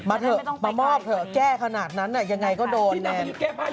เถอะมามอบเถอะแก้ขนาดนั้นยังไงก็โดนแน่